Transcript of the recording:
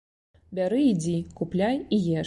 Бяры ідзі, купляй і еш.